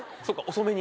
遅めに。